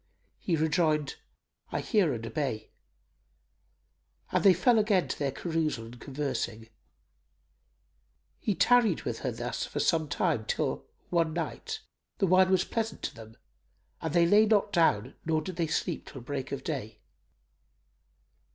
He rejoined, "I hear and obey;" and they fell again to their carousal and conversing. He tarried with her thus for some time till, one night, the wine was pleasant to them and they lay not down nor did they sleep till break of day.